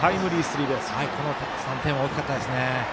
この３点は大きかったです。